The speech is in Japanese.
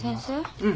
うん。